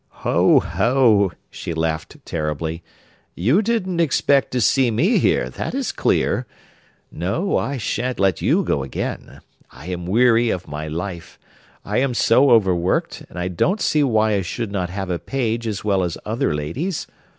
'Ho, ho!' she laughed terribly. 'You didn't expect to see me here, that is clear! No, I shan't let you go again. I am weary of my life. I am so overworked, and I don't see why I should not have a page as well as other ladies.